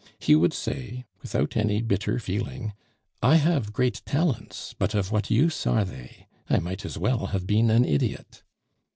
He would say, without any bitter feeling: "I have great talents, but of what use are they? I might as well have been an idiot."